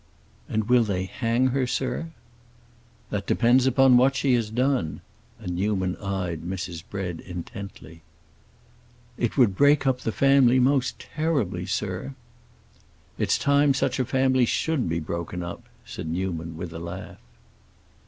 "And will they hang her, sir?" "That depends upon what she has done." And Newman eyed Mrs. Bread intently. "It would break up the family most terribly, sir!" "It's time such a family should be broken up!" said Newman, with a laugh.